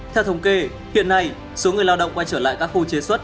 theo thống kê hiện nay số người lao động quay trở lại các khu chế xuất